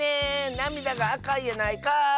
なみだがあかいやないかい！